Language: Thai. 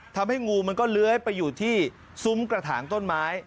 ทำให้งูมันก็เลื้อยไปอยู่ที่ซุ้มกระถางต้นไม้